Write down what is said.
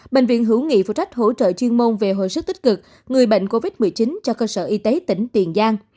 bệnh viện hữu nghị phụ trách hỗ trợ chuyên môn về hồi sức tích cực người bệnh covid một mươi chín cho cơ sở y tế tỉnh tiền giang